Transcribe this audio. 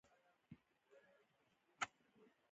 ځواني نه پاته کیږي پر انګړ د ژوندانه